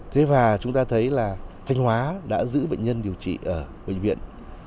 thế và chúng ta thấy là thanh hóa đã giữ bệnh nhân điều trị ở bệnh viện